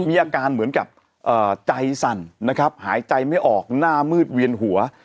มีอาการเหมือนกับใจสั่นนะครับหายใจไม่ออกหน้ามืดเวียนหัว